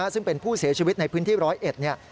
ซึ่งเป็นผู้เสียชีวิตในพื้นที่ร้อยเอ็ดเนี่ย